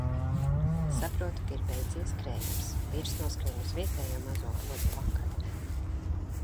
Saprotu, ka ir beidzies krējums. Vīrs noskrien uz vietējo mazo bodi pakaļ.